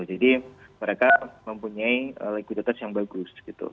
jadi mereka mempunyai likuiditas yang bagus gitu